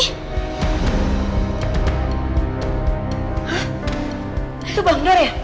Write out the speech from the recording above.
hah itu bangdor ya